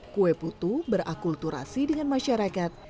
kue putu berakulturasi dengan masyarakat